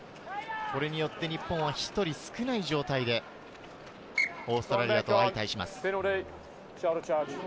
これによって日本は１人少ない状態でオーストラリアと相対します。